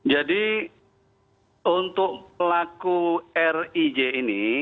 jadi untuk pelaku r i j ini